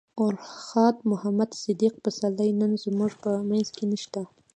ارواښاد محمد صديق پسرلی نن زموږ په منځ کې نشته.